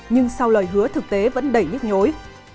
nhưng sau lời hứa thực tế vẫn đầy nhức nhối